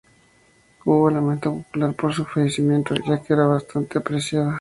Hubo lamento popular por su fallecimiento, ya que era bastante apreciada.